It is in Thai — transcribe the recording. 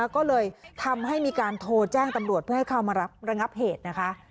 ก็เลยทำให้มีการโทรแจ้งตำรวจเพื่อให้เข้ามารับระงับเหตุนะคะ